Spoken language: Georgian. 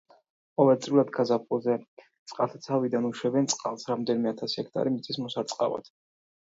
ყოველწლიურად გაზაფხულზე წყალსაცავიდან უშვებენ წყალს რამდენიმე ათასი ჰექტარი მიწის მოსარწყავად.